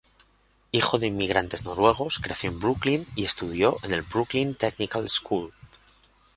Hijo de inmigrantes noruegos, creció en Brooklyn y estudió en el Brooklyn Technical School.